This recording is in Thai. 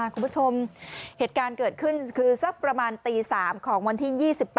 คุณผู้ชมเหตุการณ์เกิดขึ้นคือสักประมาณตี๓ของวันที่๒๘